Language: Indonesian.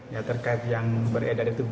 ya terkait yang beredar itu